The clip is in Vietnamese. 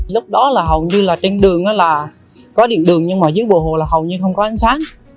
lúc đó là hầu như là trên đường là có điện đường nhưng mà dưới bộ hồ là hầu như không có ánh sáng